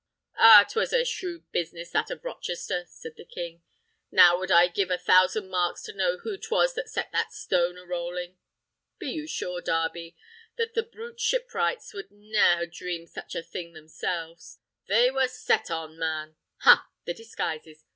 "Ah, 'twas a shrewd business that of Rochester," said the king. "Now would I give a thousand marks to know who 'twas that set that stone a rolling. Be you sure, Darby, that the brute shipwrights would ne'er have dreamed such a thing themselves. They were set on! They were set on, man! Ha, the disguises!